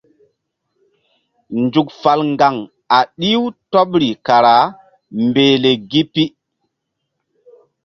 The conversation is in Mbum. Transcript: Nzuk fal ŋgaŋ a ɗih-u tɔbri kara mbehle gi pi.